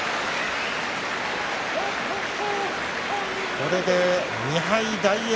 これで２敗、大栄